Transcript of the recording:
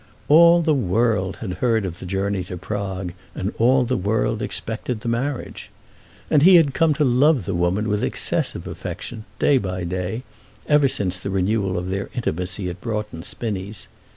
All the world had heard of the journey to Prague, and all the world expected the marriage. And he had come to love the woman with excessive affection, day by day, ever since the renewal of their intimacy at Broughton Spinnies.